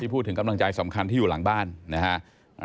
พูดถึงกำลังใจสำคัญที่อยู่หลังบ้านนะฮะ